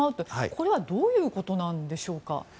これはどういうことなんでしょうか。